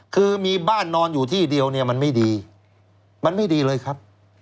คือมีบ้านนอนอยู่ที่เดียวเนี่ยมันไม่ดีมันไม่ดีเลยครับ